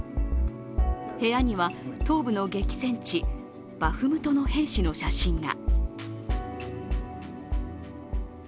部屋には東部の激戦地バフムトの兵士の写真が。